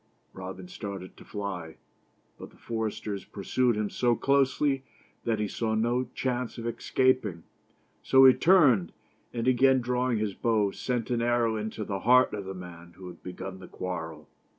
Robin started to fly, but the foresters pursued him so closely that he saw no chance of escaping, so he turned, and again drawing his bow, sent an arrow into the heart of the man who had begun the quarrel.